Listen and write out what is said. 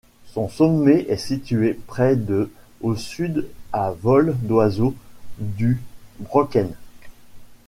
Son sommet est situé près de au sud à vol d'oiseau du Brocken.